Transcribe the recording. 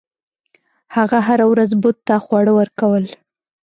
هغه هره ورځ بت ته خواړه ورکول.